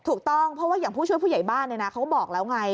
ถูกต้องเพราะว่าอย่างผู้ช่วยผู้ใหญ่บ้านเขาก็บอกแล้วไง